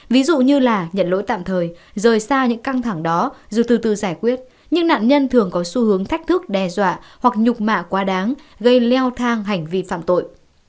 ví dụ như là nhận lỗi tạm thời rời xa những căng thẳng đó dù từ từ giải quyết nhưng nạn nhân thường có xu hướng thách thức đe dọa hoặc nhục mạ quá đáng gây leo thang hành vi phạm tội